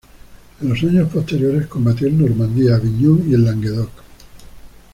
En los años posteriores combatió en Normandía, Aviñón y el Languedoc.